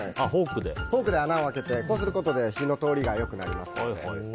フォークで穴を開けてこうすることで火の通りがよくなります。